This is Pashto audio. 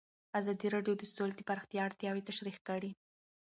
ازادي راډیو د سوله د پراختیا اړتیاوې تشریح کړي.